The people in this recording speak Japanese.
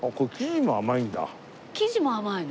生地も甘いの？